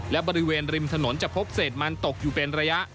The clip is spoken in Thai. และบริเวณริมถนนจะพบเศษมันตกอยู่เป็นระยะ